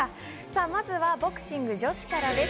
まずはボクシング女子からです。